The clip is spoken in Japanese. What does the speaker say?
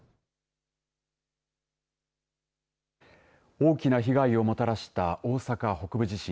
大きな被害をもたらした大阪北部地震。